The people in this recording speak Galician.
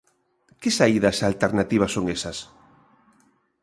Que saídas alternativas son esas?